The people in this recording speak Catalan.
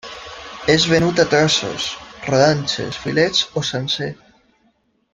És venut a trossos, rodanxes, filets o sencer.